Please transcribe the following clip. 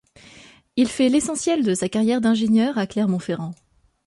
Il fait l'essentiel de sa carrière d'ingénieur à Clermont-Ferrand.